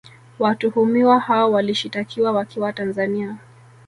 Watuhumiwa hao walishitakiwa wakiwa Tanzania